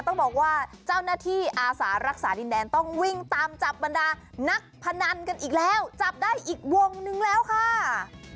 ต้องบอกว่าเจ้าหน้าที่อาสารักษาดินแดนต้องวิ่งตามจับบรรดานักพนันกันอีกแล้วจับได้อีกวงนึงแล้วค่ะ